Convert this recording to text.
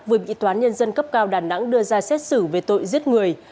vừa bị toán nhân dân cấp cao đà nẵng đưa ra xét xử về tội giết người